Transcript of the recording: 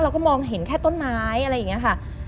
เราก็มองเห็นแค่ต้นไม้อะไรอย่างนี้ค่ะ